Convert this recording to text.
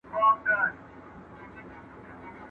¬ بزه په خپلو ښکرو نه درنېږي.